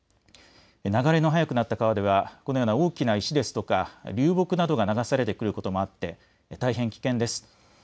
流れも速くなって川ではこのような大きな石ですとか流木などが流されてくることもあって大変危険です。